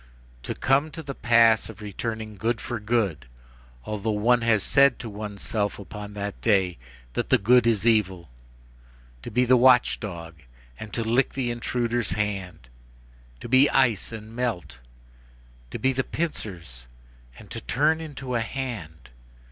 To come to the pass of returning good for good, although one has said to oneself up to that day that that good is evil! to be the watch dog, and to lick the intruder's hand! to be ice and melt! to be the pincers and to turn into a hand!